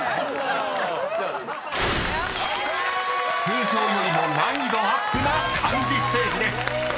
［通常よりも難易度アップな漢字ステージです］